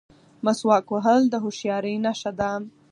مسواک وهل د هوښیارۍ نښه ده.